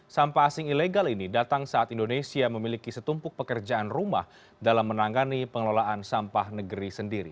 sampah asing ilegal ini datang saat indonesia memiliki setumpuk pekerjaan rumah dalam menangani pengelolaan sampah negeri sendiri